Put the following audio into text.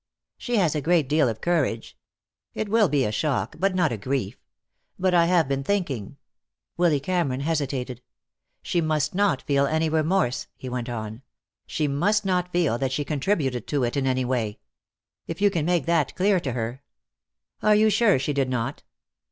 "She has a great deal of courage. It will be a shock, but not a grief. But I have been thinking " Willy Cameron hesitated. "She must not feel any remorse," he went on. "She must not feel that she contributed to it in any way. If you can make that clear to her " "Are you sure she did not?"